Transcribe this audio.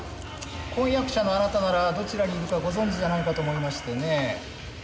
婚約者のあなたならどちらにいるかご存じじゃないかと思いましてね。